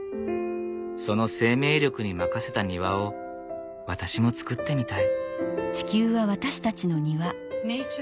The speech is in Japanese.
その生命力に任せた庭を私も造ってみたい。